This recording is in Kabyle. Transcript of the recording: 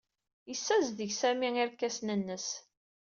Yessazdeg Sami irkasen-nnes.